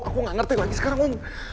aku gak ngerti lagi sekarang om